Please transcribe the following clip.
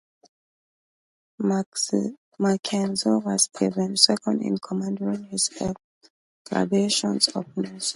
Mackenzie was Evans' second in command during his excavations of Knossos.